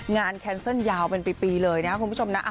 แคนเซิลยาวเป็นปีเลยนะคุณผู้ชมนะ